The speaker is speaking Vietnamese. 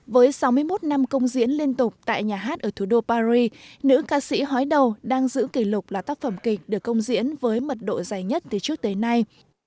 với sáu mươi một năm công diễn liên tục tại nhà hát ở thủ đô paris nữ ca sĩ hói đầu đang giữ kỷ lục là tác phẩm kịch được công diễn với mật độ dài nhất từ trước tới nay